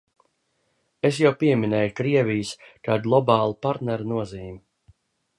Es jau pieminēju Krievijas kā globāla partnera nozīmi.